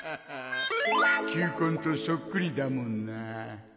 球根とそっくりだもんな